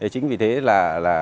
chính vì thế là